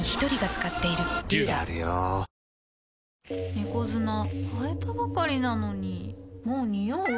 猫砂替えたばかりなのにもうニオう？